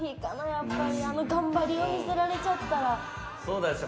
やっぱりあの頑張りを見せられちゃったらそうだし